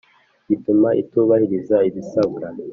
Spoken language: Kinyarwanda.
Gituma itubahiriza ibisabwa.